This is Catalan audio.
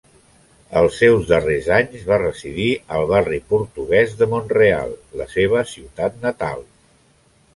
Els seus darrers anys va residir al barri portuguès de Mont-real, la seva ciutat natal.